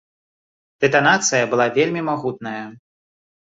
Дэтанацыя была вельмі магутная.